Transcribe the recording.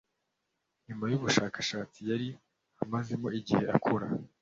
nyuma y’ubushakashatsi yari amazemo igihe agikora